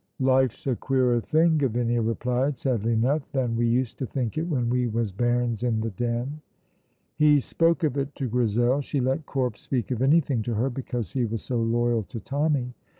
"Life's a queerer thing," Gavinia replied, sadly enough, "than we used to think it when we was bairns in the Den." He spoke of it to Grizel. She let Corp speak of anything to her because he was so loyal to Tommy.